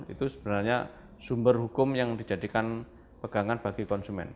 itu sebenarnya sumber hukum yang dijadikan pegangan bagi konsumen